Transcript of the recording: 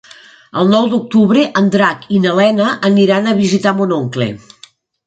El nou d'octubre en Drac i na Lena aniran a visitar mon oncle.